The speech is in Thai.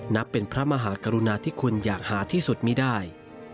นับเป็นพระมหากรุณาธิคุณอย่างหาที่สุดไม่ได้